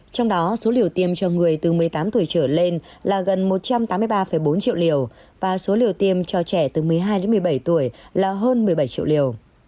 trong đó số liều tiêm cho người từ một mươi tám tuổi trở lên là gần một trăm tám mươi ba bốn triệu liều và số liều tiêm cho trẻ từ một mươi hai đến một mươi bảy tuổi là hơn một mươi bảy triệu liều